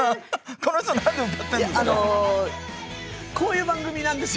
この人何で歌ってんですか？